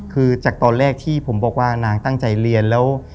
คือจากตอนแรกที่ผมบอกว่านางตั้งใจเรียนแล้ว